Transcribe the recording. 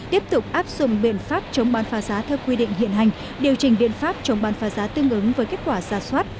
tiếp tục áp dụng biện pháp chống bán phá giá theo quy định hiện hành điều chỉnh biện pháp chống bán phá giá tương ứng với kết quả giả soát